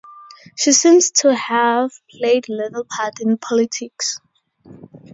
She seems to have played little part in politics.